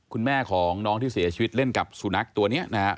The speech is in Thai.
คุณแม่ของน้องที่เสียชีวิตเล่นกับสุนัขตัวนี้นะครับ